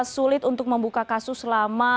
sulit untuk membuka kasus lama